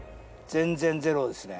全然ゼロですね。